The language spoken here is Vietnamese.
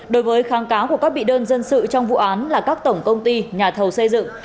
đối với kháng cáo của các bị đơn dân sự trong vụ án là các tổng công ty nhà thầu xây dựng